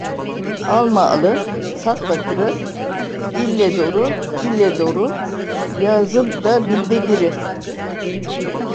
Alma alı, satma kırı, ille doru, ille doru; yağızın da binde biri.